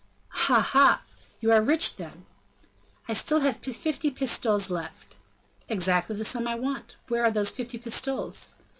"Ah! ah! you are rich, then?" "I have still fifty pistoles left." "Exactly the sum I want. Where are those fifty pistoles?"